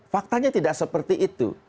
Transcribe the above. faktanya tidak seperti itu